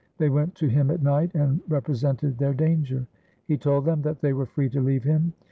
They went to him at night and represented their danger. He told them that they were free to leave him.